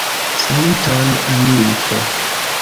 Saluton, amiko!